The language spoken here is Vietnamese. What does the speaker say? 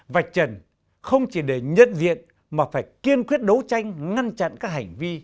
vạch trần không chỉ để nhận diện mà phải kiên quyết đấu tranh ngăn chặn các hành vi